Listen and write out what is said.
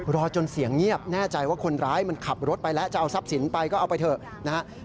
รอจนเสียงเงียบแน่ใจว่าคนร้ายมันขับรถไปแล้วจะเอาทรัพย์สินไปก็เอาไปเถอะนะครับ